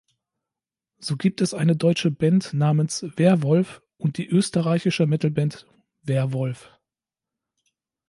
So gibt es eine deutsche Band namens "Werwolf" und die österreichische Metalband "Werwolf".